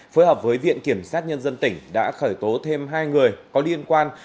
phối hợp với viện kiểm sát nhân dân tỉnh đã khởi tố thêm hai người có liên quan